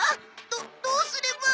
どどうすれば。